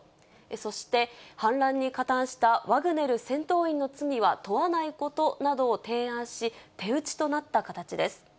そして反乱に加担したワグネル戦闘員の罪は問わないことなどを提案し、手打ちとなった形です。